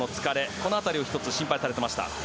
この辺りを心配されていました。